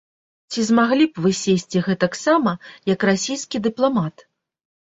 Ці змаглі б вы сесці гэтак сама, як расійскі дыпламат?